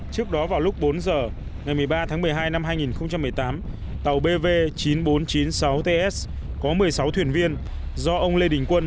trước đó vào lúc bốn giờ ngày một mươi ba tháng một mươi hai năm hai nghìn một mươi tám tàu bv chín nghìn bốn trăm chín mươi sáu ts có một mươi sáu thuyền viên do ông lê đình quân